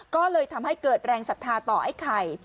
ก็เลยทำให้เกิดแรงศรัทธาต่อไอ้ไข่